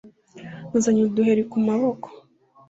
Nazanye uduheri ku maboko